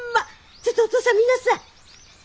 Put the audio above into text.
ちょっとお父さん見なさい。